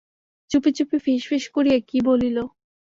চুপি চুপি ফিস ফিস করিয়া কি বলিল।